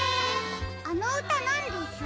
あのうたなんです？